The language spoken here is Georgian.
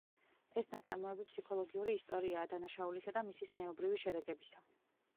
ეს ნაწარმოები ფსიქოლოგიური ისტორიაა დანაშაულისა და მისი ზნეობრივი შედეგებისა.